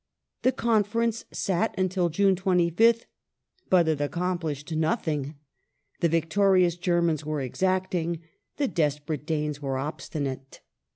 The conference sat until June 25th, but it accomplished nothing. " The victorious Germans were exacting, the desperate Danes were obstinate."